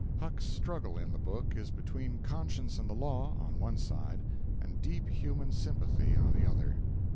Huck's struggle in the book is between conscience and the law, on one side, and deep human sympathy on the other.